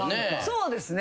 そうですね。